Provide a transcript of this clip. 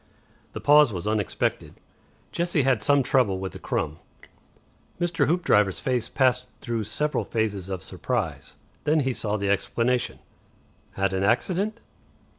The pause was unexpected. Jessie had some trouble with a crumb. Mr. Hoopdriver's face passed through several phases of surprise. Then he saw the explanation. "Had an accident?"